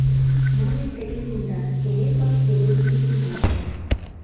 — Мыйым тыге лӱмдат: Терехов Терентий Кузьмич.